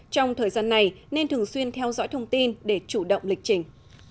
trong thời gian này nên thường xuyên theo dõi thông tin để chủ động lịch trình